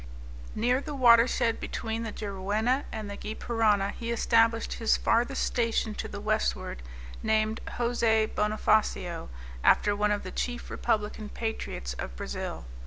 Near the watershed between the Juruena and the Gy Parana he established his farthest station to the westward, named Jose Bonofacio, after one of the chief republican patriots of Brazil.